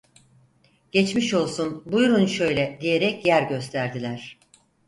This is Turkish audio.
"Geçmiş olsun, buyurun şöyle…" diyerek yer gösterdiler.